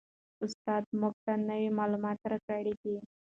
استاد موږ ته نوي معلومات راکړي دي.